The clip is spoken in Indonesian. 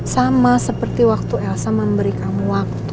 sama seperti waktu elsa memberi kamu waktu